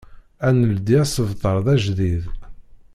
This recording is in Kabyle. Ad neldi asebter d ajdid.